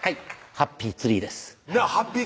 ハッピーツリー